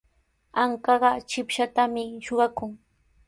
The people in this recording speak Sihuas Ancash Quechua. Ankaqa chipshatami suqakun.